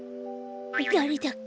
だれだっけ？